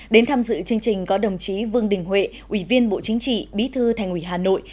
đến tham dự chương trình có đồng chí vương đình huệ ủy viên bộ chính trị bí thư thành ủy hà nội